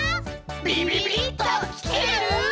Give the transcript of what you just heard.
ビビビッときてる？